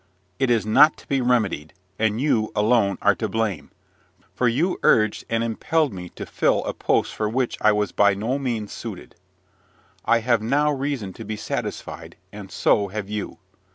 It is not to be remedied; and you alone are to blame, for you urged and impelled me to fill a post for which I was by no means suited. I have now reason to be satisfied, and so have you!